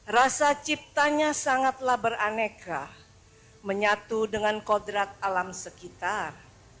rasa ciptanya sangatlah beraneka menyatu dengan kodrat alam sekitar